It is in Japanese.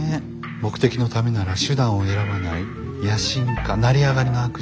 目的のためなら手段を選ばない野心家成り上がりの悪女って。